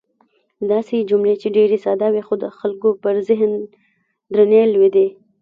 داسې جملې چې ډېرې ساده وې، خو د خلکو پر ذهن درنې لوېدې.